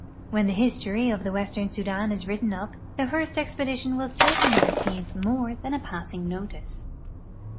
When the history of the western Sudan is written up tlie Ilourst expe dition will certainly receive more than a passing notice.